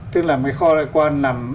tức là một cái kho ngoại quan nằm